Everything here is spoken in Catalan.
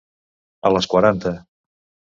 A les quaranta.